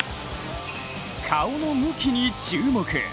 顔の向きに注目。